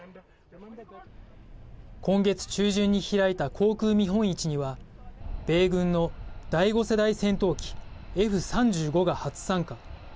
今月中旬に開いた航空見本市には米軍の第５世代戦闘機Ｆ３５が初参加。